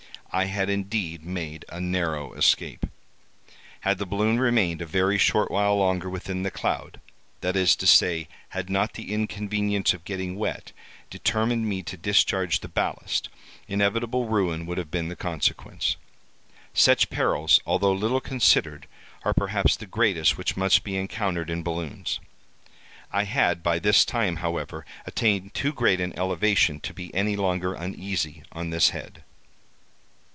I had indeed made a narrow escape. Had the balloon remained a very short while longer within the cloud—that is to say—had not the inconvenience of getting wet, determined me to discharge the ballast, inevitable ruin would have been the consequence. Such perils, although little considered, are perhaps the greatest which must be encountered in balloons. I had by this time, however, attained too great an elevation to be any longer uneasy on this head.